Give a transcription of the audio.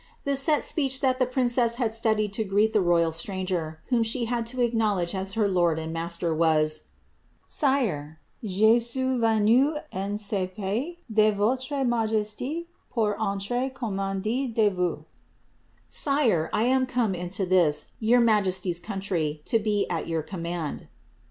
''' The set speech that the princess had studied to greet the royal stranger, whom she had to acknowledge as her lord and master, was, ^ Sire J je suis venue en ce pays de voire majeste pour iire commander de vou8,^ ^ Sire, I am come into this, your majesty's country, to be at your command."